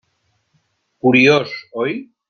Curiós, oi?